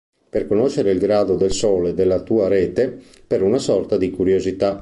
Per conoscere il grado del sole dalla tua "rete", per una sorta di curiosità.